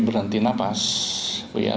berhenti nafas bu ya